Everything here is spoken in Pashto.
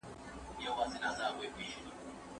سردرد د چاپېریال سره تړلی دی.